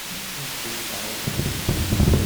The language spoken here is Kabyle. Ad kent-t-ɛeṛḍent?